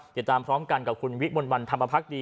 ติดตามพร้อมกันกับคุณวิมลวันธรรมพักดี